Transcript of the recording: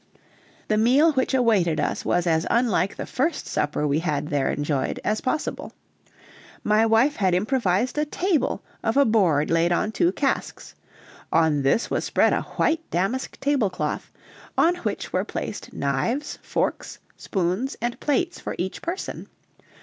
The meal which awaited us was as unlike the first supper we had there enjoyed as possible. My wife had improvised a table of a board laid on two casks; on this was spread a white damask tablecloth, on which were placed knives, forks, spoons, and plates for each person.